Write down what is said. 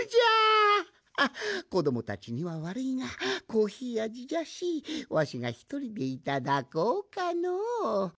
あっこどもたちにはわるいがコーヒーあじじゃしわしがひとりでいただこうかの。